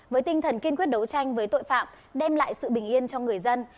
với tinh thần kiên quyết đấu tranh với tội phạm đem lại sự bình yên cho người dân